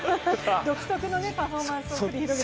独特のパフォーマンスを。